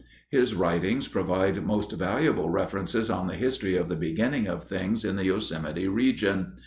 His writings provide most valuable references on the history of the beginning of things in the Yosemite region.